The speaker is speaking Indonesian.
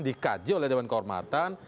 dikaji oleh dewan kehormatan